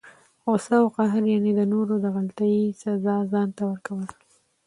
غصه او قهر، یعني د نورو د غلطۍ سزا ځانته ورکول!